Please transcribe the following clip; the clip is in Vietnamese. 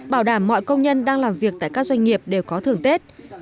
bảo đảm mọi công nhân đang làm việc tại các doanh nghiệp đều có thưởng tết